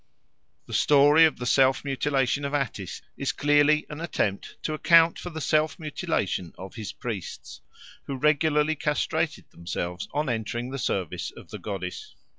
The story of the self mutilation of Attis is clearly an attempt to account for the self mutilation of his priests, who regularly castrated themselves on entering the service of the goddess.